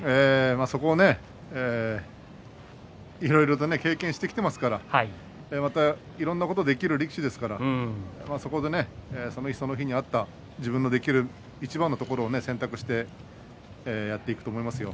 そこをいろいろと経験してきていますからいろんなことができる力士ですからそこでその日その日に合った自分のできるいちばんのところを選択してやっていくと思いますよ。